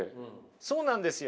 そうなんですよ。